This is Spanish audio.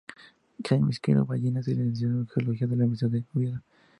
Jaime Izquierdo Vallina se licenció en Geología en la Universidad de Oviedo.